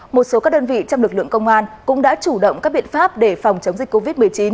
một số các đơn vị trong lực lượng công an cũng đã chủ động các biện pháp để phòng chống dịch covid một mươi chín